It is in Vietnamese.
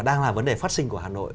đang là vấn đề phát sinh của hà nội